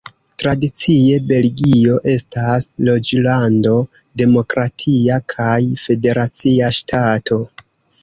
Tradicie Belgio estas Reĝolando, demokratia kaj federacia ŝtato.